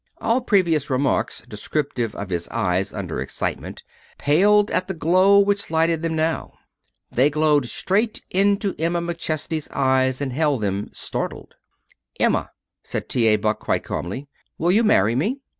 All previous remarks descriptive of his eyes under excitement paled at the glow which lighted them now. They glowed straight into Emma McChesney's eyes and held them, startled. "Emma," said T. A. Buck quite calmly, "will you marry me?